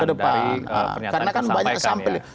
dari pernyataan yang disampaikan